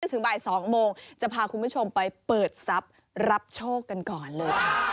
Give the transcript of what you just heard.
ถึงบ่าย๒โมงจะพาคุณผู้ชมไปเปิดทรัพย์รับโชคกันก่อนเลยค่ะ